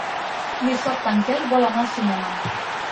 Dissabte en Quel vol anar al cinema.